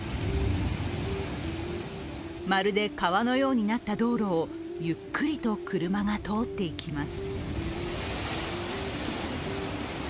まるで川のようになった道路をゆっくりと車が通っていきます。